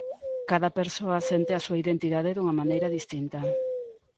Cada persoa sente a súa identidade dunha maneira distinta.